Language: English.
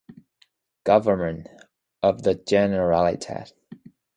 Government of the Generalitat.